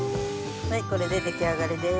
これで出来上がりです。